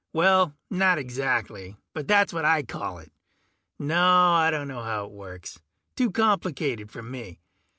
Well, not exactly, but that's what I call it. No, I don't know how it works. Too complicated for me.